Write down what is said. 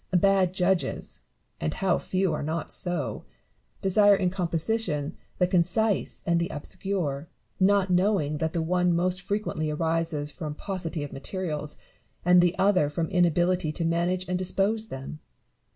Bad judges (and how few are not so !) desire in composition the concise and the obscure, not knowing that the one most frequently arises from paucity of materials, and the other from inability to manage and dispose them.